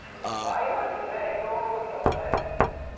アイマスクね移動の時とかねいいですよね。